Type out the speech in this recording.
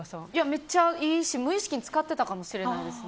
めっちゃいいし、無意識に使ってたかもしれないです。